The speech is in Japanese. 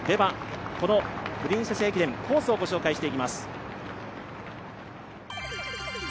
このプリンセス駅伝、コースを御紹介していきます。